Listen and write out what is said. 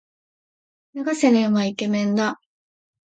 永瀬廉はイケメンだ。